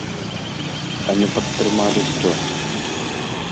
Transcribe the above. А не падтрымалі хто?